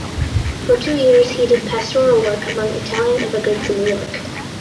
For two years he did pastoral work among Italian immigrants in New York.